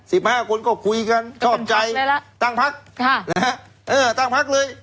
สิบห้าคนก็คุยกันชอบใจแล้วตั้งพักค่ะนะฮะเออตั้งพักเลย